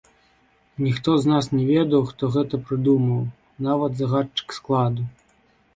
Ніхто з нас не ведаў, хто гэта прыдумаў, нават загадчык складу.